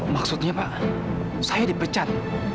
maksudnya pak saya dipecat